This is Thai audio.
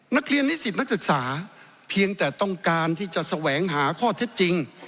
นิสิตนักศึกษาเพียงแต่ต้องการที่จะแสวงหาข้อเท็จจริง